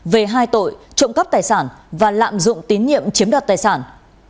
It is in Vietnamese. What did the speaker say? về hai tội trộm cắp tài sản và lạm dụng tín nhiệm chiếm đoạt tài sản